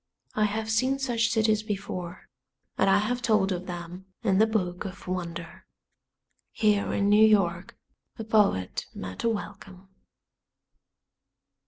I have seen such cities before, and I have told of them in The Book of Wonder. Here in New York a poet met a welcome.